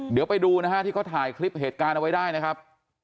เดี๋ยวไปดูนะฮะที่เขาถ่ายคลิปเหตุการณ์เอาไว้ได้นะครับ